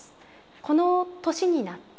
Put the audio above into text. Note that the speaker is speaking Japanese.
「この年になって」